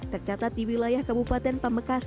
tercatat di wilayah kabupaten pemekasan jawa timur